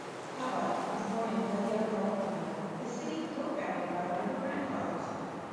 Talbott was born in Glendale, California, a city co-founded by one of her grandfathers.